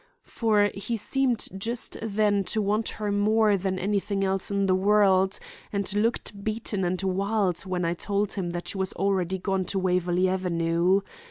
For he seemed just then to want her more than anything else in the world and looked beaten and wild when I told him that she was already gone to Waverley Avenue.